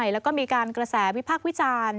แล้วก็มีการกระแสวิพากษ์วิจารณ์